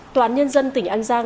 tòa án nhân dân tỉnh an giang